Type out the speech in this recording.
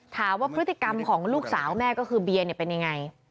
ถามว่าพฤติกรรมของลูกสาวแม่ก็คือเบียร์เป็นยังไง